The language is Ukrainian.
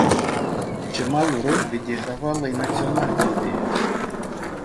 Чималу роль відігравала й національна ідея.